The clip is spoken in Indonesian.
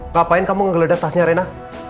ngapain kamu ngegeledah tasnya rena